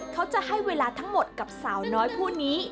เขาจะให้เวลาทั้งหมดกับสาวน้อยผู้นี้